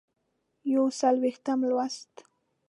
یوڅلوېښتم لوست